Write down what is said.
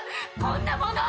こんなもの！」